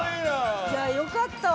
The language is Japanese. いやよかったわ